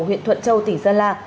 huyện thuận châu tỉnh sơn la